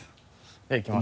じゃあいきます。